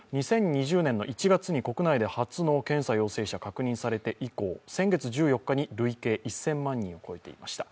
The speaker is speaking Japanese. ２０２０年１月に国内で初の検査陽性者が確認されて以降、先月１４日に累計１０００万人を超えていました。